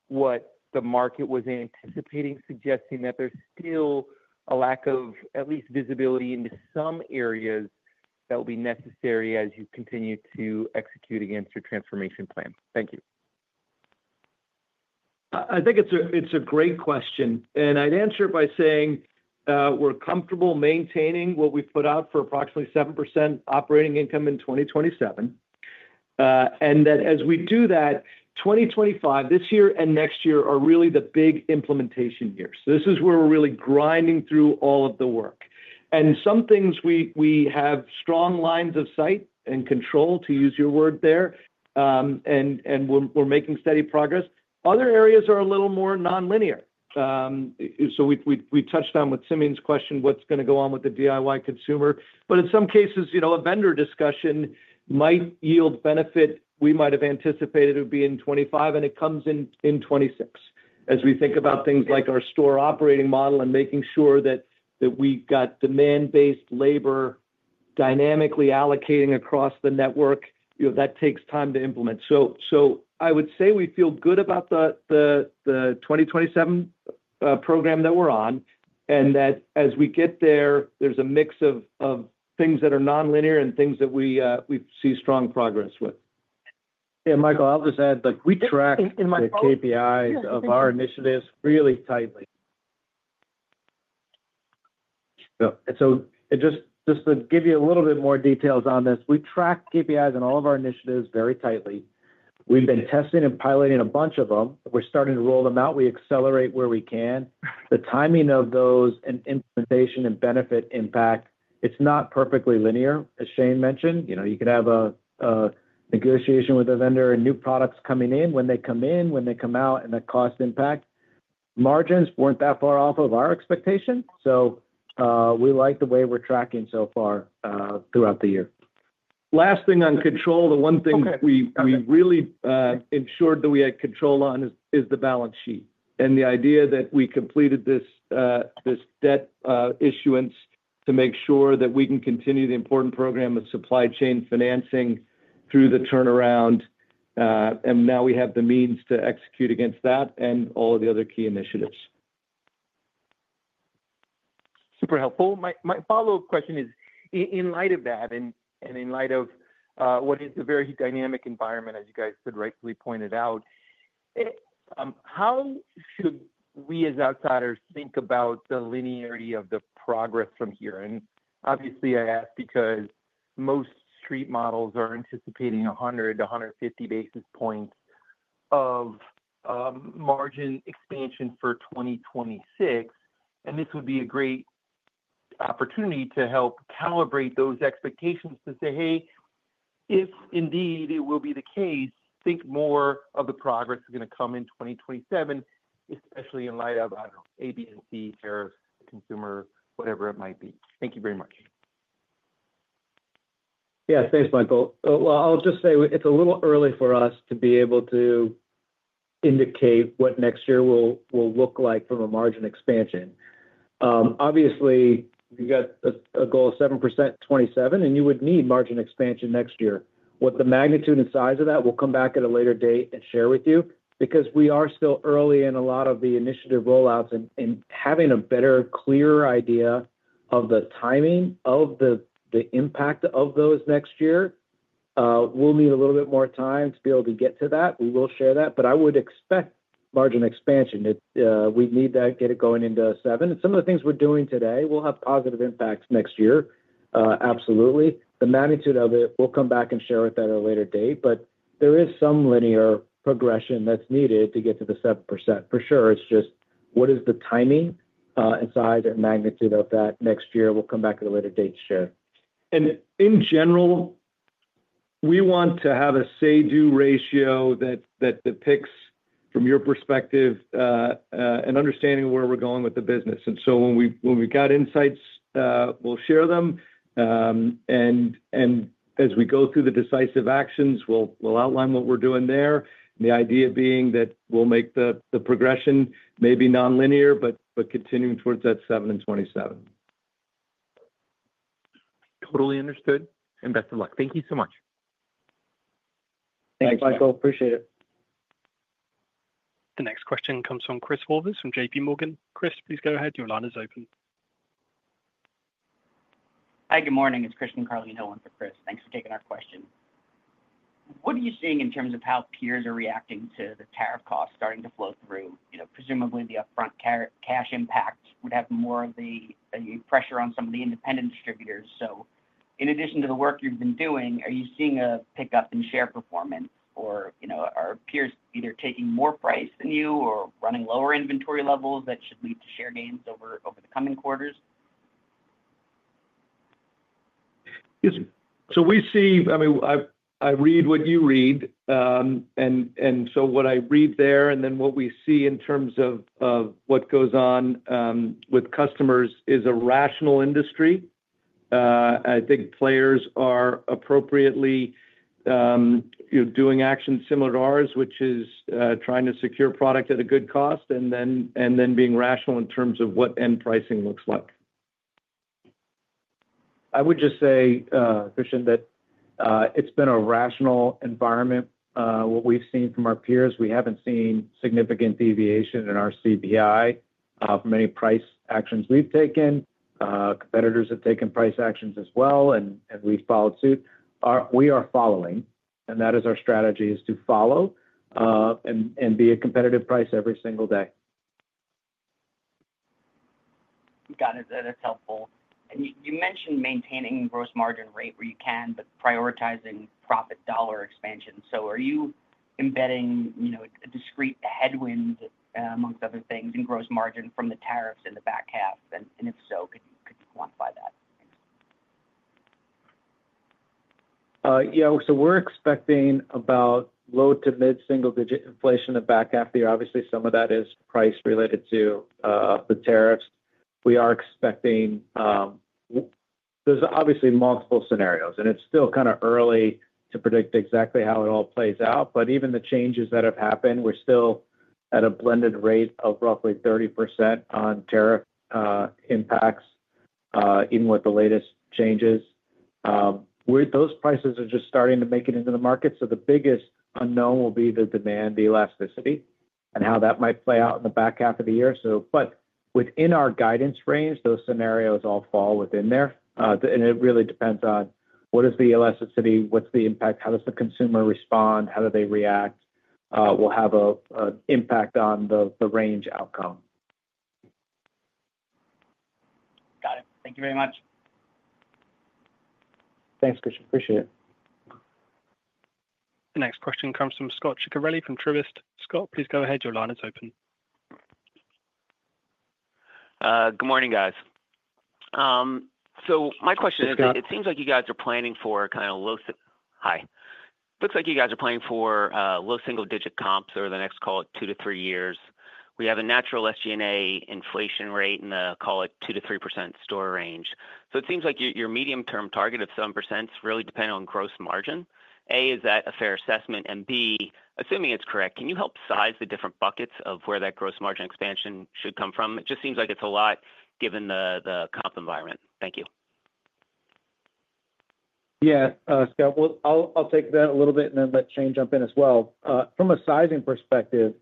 what the market was anticipating, suggesting that there is still a lack of at least visibility into some areas that will be necessary as you continue to execute against your transformation plan. Thank you. I think it's a great question, and I'd answer it by saying we're comfortable maintaining what we put out for approximately 7% operating income in 2027. As we do that, 2025, this year and next year are really the big implementation years. This is where we're really grinding through all of the work. Some things we have strong lines of sight and control, to use your word there, and we're making steady progress. Other areas are a little more nonlinear. We touched on with Simeon's question, what's going to go on with the DIY consumer. In some cases, a vendor discussion might yield benefit. We might have anticipated it would be in 2025, and it comes in 2026. As we think about things like our store operating model and making sure that we've got demand-based labor dynamically allocating across the network, that takes time to implement. I would say we feel good about the 2027 program that we're on, and that as we get there, there's a mix of things that are nonlinear and things that we see strong progress with. Yeah. Michael, I'll just add, like we track the KPIs of our initiatives really tightly. Just to give you a little bit more details on this, we track KPIs in all of our initiatives very tightly. We've been testing and piloting a bunch of them. We're starting to roll them out. We accelerate where we can. The timing of those and implementation and benefit impact, it's not perfectly linear. As Shane mentioned, you can have a negotiation with a vendor and new products coming in, when they come in, when they come out, and the cost impact. Margins weren't that far off of our expectation. We like the way we're tracking so far throughout the year. Last thing on control, the one thing we really ensured that we had control on is the balance sheet. The idea that we completed this debt issuance to make sure that we can continue the important program of supply chain financing through the turnaround. Now we have the means to execute against that and all of the other key initiatives. Super helpful. My follow-up question is, in light of that and in light of what is a very dynamic environment, as you guys could rightfully point it out, how should we as outsiders think about the linearity of the progress from here? I ask because most street models are anticipating 100-150 basis points of margin expansion for 2026. This would be a great opportunity to help calibrate those expectations to say, hey, if indeed it will be the case, think more of the progress that's going to come in 2027, especially in light of, I don't know, A, B, and C tariffs, consumer, whatever it might be. Thank you very much. Yeah, thanks, Michael. It's a little early for us to be able to indicate what next year will look like from a margin expansion. Obviously, we've got a goal of 7% in 2027, and you would need margin expansion next year. What the magnitude and size of that is, we'll come back at a later date and share with you because we are still early in a lot of the initiative rollouts and having a better, clearer idea of the timing of the impact of those next year. We'll need a little bit more time to be able to get to that. We will share that, but I would expect margin expansion. We need to get it going into 2027, and some of the things we're doing today will have positive impacts next year. Absolutely. The magnitude of it, we'll come back and share with you at a later date, but there is some linear progression that's needed to get to the 7% for sure. It's just what is the timing and size and magnitude of that next year? We'll come back at a later date to share. In general, we want to have a say-do ratio that depicts, from your perspective, an understanding of where we're going with the business. When we've got insights, we'll share them. As we go through the decisive actions, we'll outline what we're doing there. The idea is that we'll make the progression maybe nonlinear, but continuing towards that 7% in 2027. Totally understood. Best of luck. Thank you so much. Thanks, Michael. Appreciate it. The next question comes from Chris Horvers from JPMorgan. Chris, please go ahead. Your line is open. Hi, good morning. It's Christian Carlino with Chris. Thanks for taking our question. What are you seeing in terms of how peers are reacting to the tariff costs starting to flow through? Presumably the upfront cash impact would have more of the pressure on some of the independent distributors. In addition to the work you've been doing, are you seeing a pickup in share performance? Are peers either taking more price than you or running lower inventory levels that should lead to share gains over the coming quarters? Yes, sir. We see, I mean, I read what you read. What I read there, and then what we see in terms of what goes on with customers, is a rational industry. I think players are appropriately doing actions similar to ours, which is trying to secure product at a good cost and then being rational in terms of what end pricing looks like. I would just say, Christian, that it's been a rational environment. What we've seen from our peers, we haven't seen significant deviation in our CPI from any price actions we've taken. Competitors have taken price actions as well, and we've followed suit. We are following, and that is our strategy, to follow and be a competitive price every single day. Got it. That's helpful. You mentioned maintaining the gross margin rate where you can, but prioritizing profit dollar expansion. Are you embedding a discrete headwind amongst other things in gross margin from the tariffs in the back half? If so, could you quantify that? Yeah, we're expecting about low to mid-single digit inflation in the back half of the year. Obviously, some of that is price related to the tariffs. We are expecting, there's obviously multiple scenarios, and it's still kind of early to predict exactly how it all plays out. Even the changes that have happened, we're still at a blended rate of roughly 30% on tariff impacts in what the latest changes are. Those prices are just starting to make it into the market. The biggest unknown will be the demand elasticity and how that might play out in the back half of the year. Within our guidance range, those scenarios all fall within there. It really depends on what is the elasticity, what's the impact, how does the consumer respond, how do they react, will have an impact on the range outcome. Got it. Thank you very much. Thanks, Christian. Appreciate it. The next question comes from Scott Ciccarelli from Truist. Scott, please go ahead. Your line is open. Good morning, guys. My question is, it seems like you guys are planning for kind of a low high. It looks like you guys are planning for low single-digit comps over the next, call it, two to three years. We have a natural SG&A inflation rate in the, call it, 2%-3% store range. It seems like your medium-term target of 7% is really dependent on gross margin. A, is that a fair assessment? B, assuming it's correct, can you help size the different buckets of where that gross margin expansion should come from? It just seems like it's a lot given the comp environment. Thank you. Yeah, Scott, I'll take that a little bit and then let Shane jump in as well. From a sizing perspective,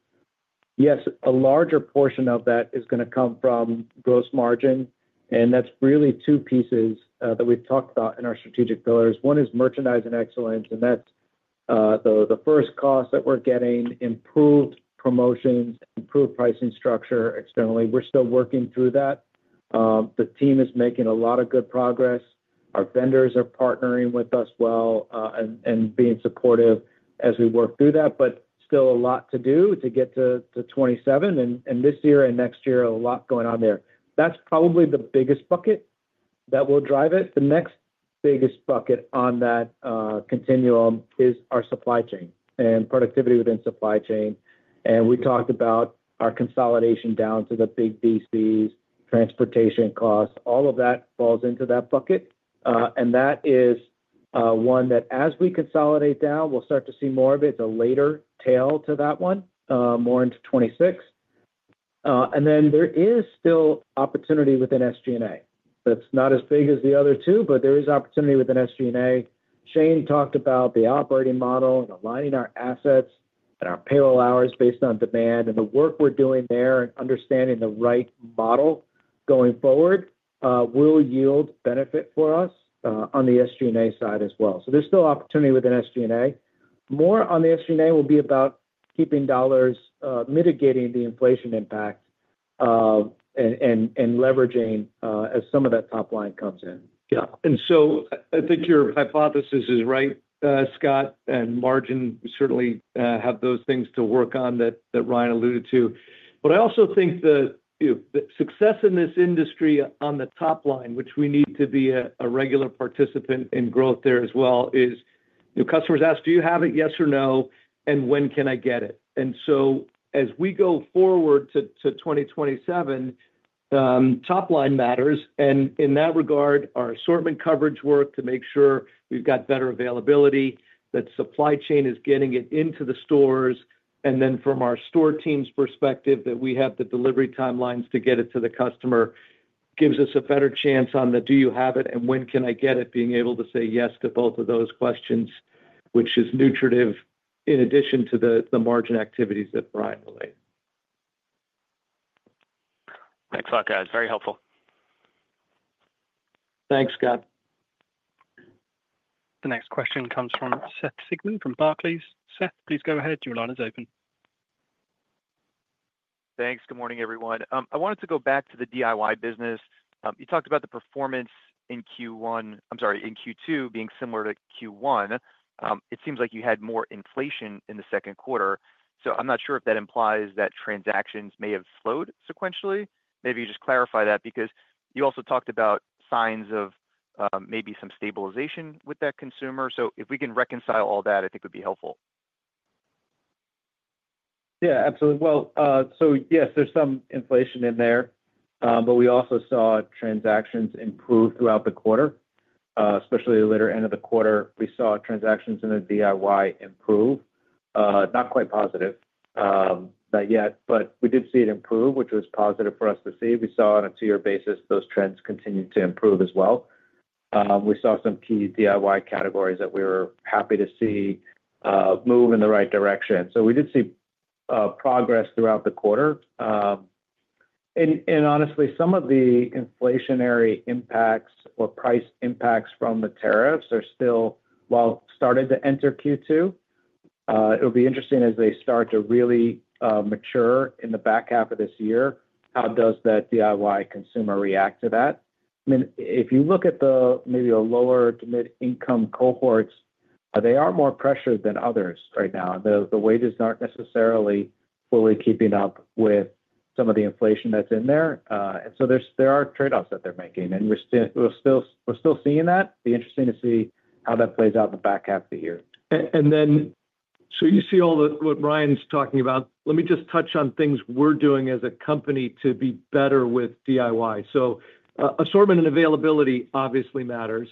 yes, a larger portion of that is going to come from gross margin. That's really two pieces that we've talked about in our strategic pillars. One is merchandise and excellence, and that's the first cost that we're getting, improved promotions, improved pricing structure externally. We're still working through that. The team is making a lot of good progress. Our vendors are partnering with us well and being supportive as we work through that, but still a lot to do to get to 2027. This year and next year, a lot going on there. That's probably the biggest bucket that will drive it. The next biggest bucket on that continuum is our supply chain and productivity within supply chain. We talked about our consolidation down to the big DCs, transportation costs, all of that falls into that bucket. That is one that as we consolidate down, we'll start to see more of it. It's a later tail to that one, more into 2026. There is still opportunity within SG&A. It's not as big as the other two, but there is opportunity within SG&A. Shane talked about the operating model and aligning our assets and our payroll hours based on demand and the work we're doing there and understanding the right model going forward will yield benefit for us on the SG&A side as well. There's still opportunity within SG&A. More on the SG&A will be about keeping dollars, mitigating the inflation impact, and leveraging as some of that top line comes in. Yeah. I think your hypothesis is right, Scott, and margin certainly have those things to work on that Ryan alluded to. I also think that the success in this industry on the top line, which we need to be a regular participant in growth there as well, is customers ask, do you have it, yes or no, and when can I get it? As we go forward to 2027, top line matters. In that regard, our assortment coverage work to make sure we've got better availability, that supply chain is getting it into the stores, and then from our store team's perspective that we have the delivery timelines to get it to the customer gives us a better chance on the do you have it and when can I get it, being able to say yes to both of those questions, which is nutritive in addition to the margin activities that Ryan relayed. Thanks, Guys, very helpful. Thanks, Scott. The next question comes from Seth Sigman from Barclays. Seth, please go ahead. Your line is open. Thanks. Good morning, everyone. I wanted to go back to the DIY business. You talked about the performance in Q1, I'm sorry, in Q2 being similar to Q1. It seems like you had more inflation in the second quarter. I'm not sure if that implies that transactions may have flowed sequentially. Maybe you could clarify that because you also talked about signs of maybe some stabilization with that consumer. If we can reconcile all that, I think it would be helpful. Yeah, absolutely. Yes, there's some inflation in there, but we also saw transactions improve throughout the quarter. Especially the later end of the quarter, we saw transactions in the DIY improve. Not quite positive yet, but we did see it improve, which was positive for us to see. We saw on a two-year basis, those trends continued to improve as well. We saw some key DIY categories that we were happy to see move in the right direction. We did see progress throughout the quarter. Honestly, some of the inflationary impacts or price impacts from the tariffs are still, well, started to enter Q2. It'll be interesting as they start to really mature in the back half of this year. How does that DIY consumer react to that? I mean, if you look at maybe a lower to mid-income cohorts, they are more pressured than others right now. The wages aren't necessarily fully keeping up with some of the inflation that's in there. There are trade-offs that they're making. We're still seeing that. It'd be interesting to see how that plays out in the back half of the year. You see all what Ryan's talking about. Let me just touch on things we're doing as a company to be better with DIY. Assortment and availability obviously matters.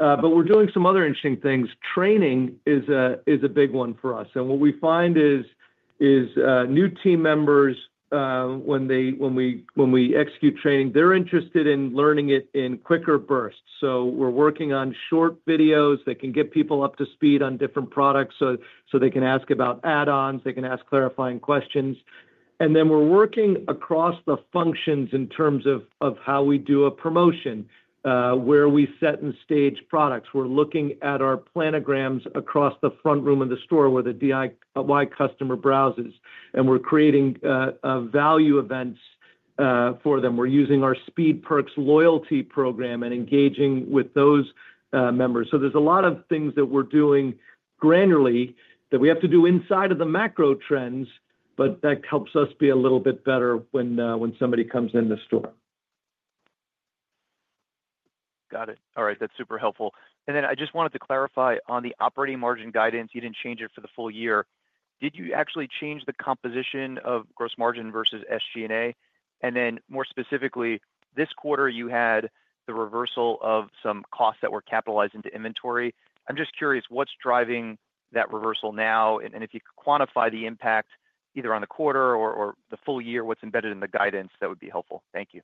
We're doing some other interesting things. Training is a big one for us. What we find is new team members, when we execute training, they're interested in learning it in quicker bursts. We're working on short videos that can get people up to speed on different products. They can ask about add-ons, they can ask clarifying questions. We're working across the functions in terms of how we do a promotion, where we set and stage products. We're looking at our planograms across the front room of the store where the DIY customer browses. We're creating value events for them. We're using our Speed Perks loyalty program and engaging with those members. There's a lot of things that we're doing granularly that we have to do inside of the macro trends, but that helps us be a little bit better when somebody comes in the store. Got it. All right, that's super helpful. I just wanted to clarify on the operating margin guidance. You didn't change it for the full year. Did you actually change the composition of gross margin versus SG&A? More specifically, this quarter you had the reversal of some costs that were capitalized into inventory. I'm just curious, what's driving that reversal now? If you could quantify the impact either on the quarter or the full year, what's embedded in the guidance, that would be helpful. Thank you.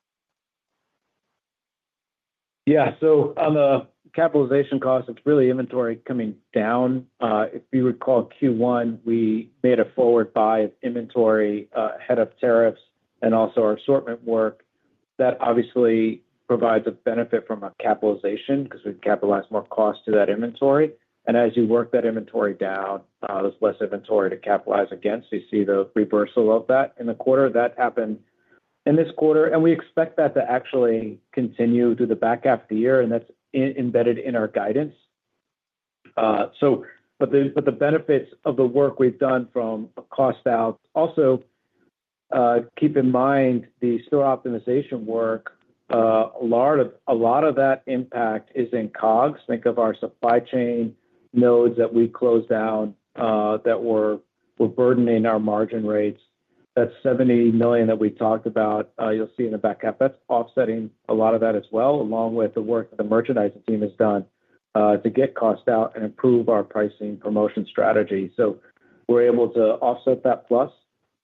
Yeah, so on the capitalization cost, it's really inventory coming down. If you recall Q1, we made a forward buy of inventory ahead of tariffs and also our assortment work. That obviously provides a benefit from a capitalization because we can capitalize more costs to that inventory. As you work that inventory down, there's less inventory to capitalize against. You see the reversal of that in the quarter. That happened in this quarter, and we expect that to actually continue through the back half of the year, and that's embedded in our guidance. The benefits of the work we've done from a cost out. Also, keep in mind the store optimization work. A lot of that impact is in COGS. Think of our supply chain nodes that we closed down that were burdening our margin rates. That's $78 million that we talked about. You'll see in the back half. That's offsetting a lot of that as well, along with the work that the merchandising team has done to get cost out and improve our pricing promotion strategy. We're able to offset that plus.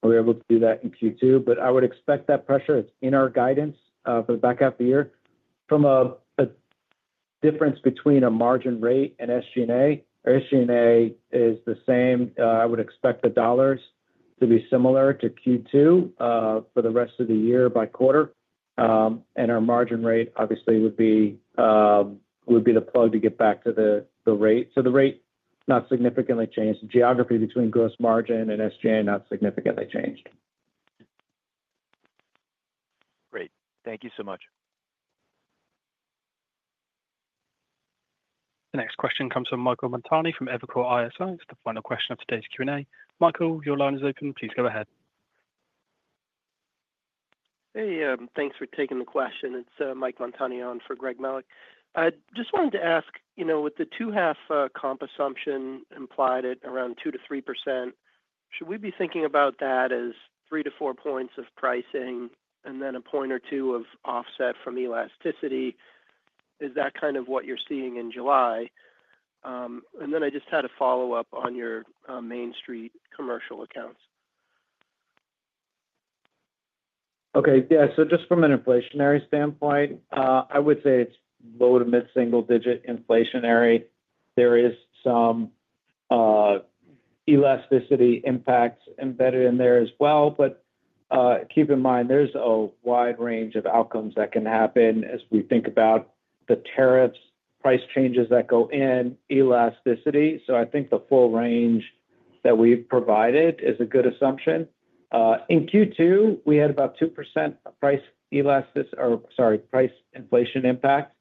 We're able to do that in Q2, but I would expect that pressure. It's in our guidance for the back half of the year. From a difference between a margin rate and SG&A, our SG&A is the same. I would expect the dollars to be similar to Q2 for the rest of the year by quarter. Our margin rate obviously would be the plug to get back to the rate. The rate not significantly changed. The geography between gross margin and SG&A not significantly changed. Great. Thank you so much. The next question comes from Michael Montani from Evercore ISI. It's the final question of today's Q&A. Michael, your line is open. Please go ahead. Hey, thanks for taking the question. It's Mike Montani on for Greg Melich. I just wanted to ask, you know, with the two-half comp assumption implied at around 2%-3%, should we be thinking about that as three to four points of pricing and then a point or two of offset from elasticity? Is that kind of what you're seeing in July? I just had a follow-up on your Main Street commercial accounts. Okay. Yeah. Just from an inflationary standpoint, I would say it's low to mid-single digit inflationary. There is some elasticity impacts embedded in there as well, but keep in mind there's a wide range of outcomes that can happen as we think about the tariffs, price changes that go in, elasticity. I think the full range that we've provided is a good assumption. In Q2, we had about 2% price inflation impact.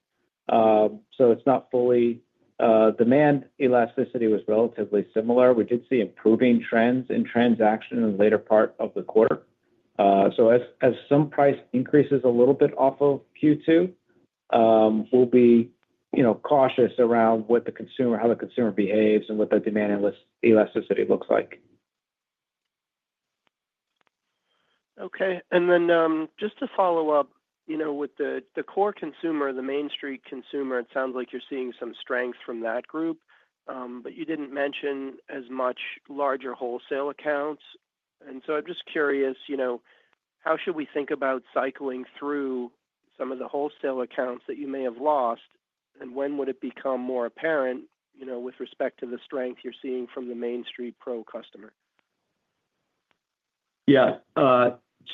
It's not fully demand elasticity was relatively similar. We did see improving trends in transaction in the later part of the quarter. As some price increases a little bit off of Q2, we'll be cautious around what the consumer, how the consumer behaves, and what the demand elasticity looks like. Okay. Just to follow up, you know, with the core consumer, the Main Street consumer, it sounds like you're seeing some strengths from that group, but you didn't mention as much larger wholesale accounts. I'm just curious, you know, how should we think about cycling through some of the wholesale accounts that you may have lost, and when would it become more apparent, you know, with respect to the strength you're seeing from the Main Street pro customer? Yeah.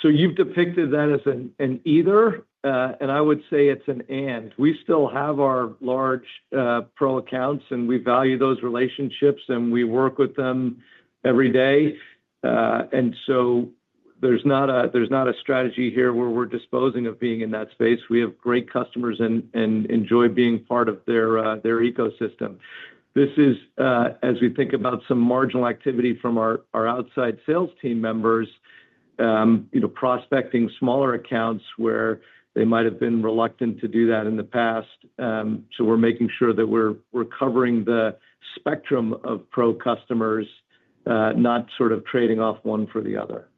You've depicted that as an either, and I would say it's an and. We still have our large pro accounts, and we value those relationships, and we work with them every day. There's not a strategy here where we're disposing of being in that space. We have great customers and enjoy being part of their ecosystem. This is as we think about some marginal activity from our outside sales team members, you know, prospecting smaller accounts where they might have been reluctant to do that in the past. We're making sure that we're covering the spectrum of pro customers, not sort of trading off one for the other.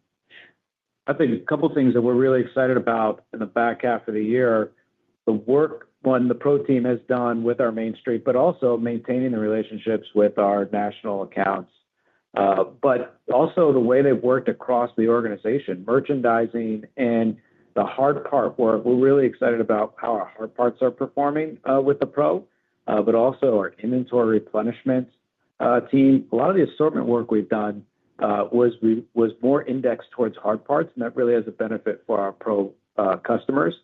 I think a couple of things that we're really excited about in the back half of the year, the work on the pro team has done with our Main Street, but also maintaining the relationships with our national accounts. Also, the way they've worked across the organization, merchandising and the hard part, we're really excited about how our hard parts are performing with the pro, and also our inventory replenishment team. A lot of the assortment work we've done was more indexed towards hard parts, and that really has a benefit for our pro customers.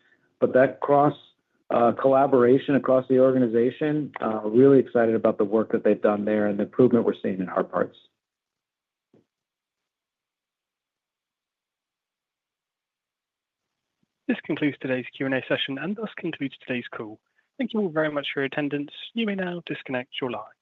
That cross-collaboration across the organization, we're really excited about the work that they've done there and the improvement we're seeing in hard parts. This concludes today's Q&A session and thus concludes today's call. Thank you all very much for your attendance. You may now disconnect your line.